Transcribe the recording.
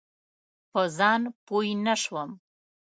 په ځان پوی نه شوم.